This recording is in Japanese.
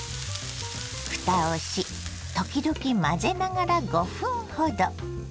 ふたをし時々混ぜながら５分ほど。